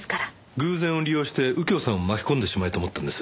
偶然を利用して右京さんも巻き込んでしまえと思ったんです。